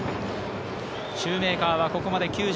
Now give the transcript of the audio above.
シューメーカーはここまで９４球。